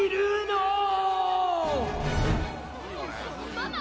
「ママ！？」